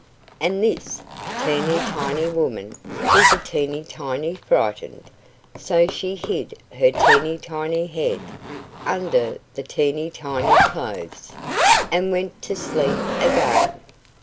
And this teeny tiny woman was a teeny tiny frightened, so she hid her teeny tiny head under the teeny tiny clothes, and went to sleep again.